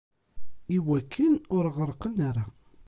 Iwakken ur ɣerrqeɣ ara.